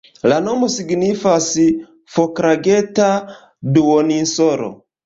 La nomo signifas "Foklageta-duoninsolo".